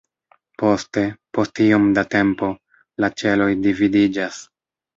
Poste, post iom da tempo, la ĉeloj dividiĝas.